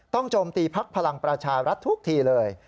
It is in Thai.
ต้องจมตีภักดิ์พลังประชารัฐทุกทีเลย